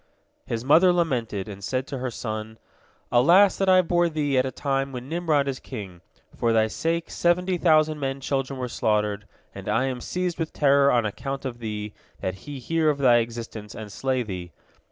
His mother lamented, and said to her son: "Alas that I bore thee at a time when Nimrod is king. For thy sake seventy thousand men children were slaughtered, and I am seized with terror on account of thee, that he hear of thy existence, and slay thee.